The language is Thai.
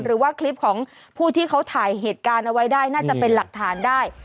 หรือว่าคลิปของผู้ที่เขาถ่ายเหตุการณ์เอาไว้ได้น่าจะเป็นหลักฐานได้